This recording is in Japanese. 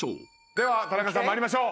では田中さん参りましょう。